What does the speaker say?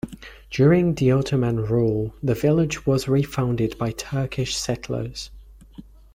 During the Ottoman rule, the village was re-founded by Turkish settlers.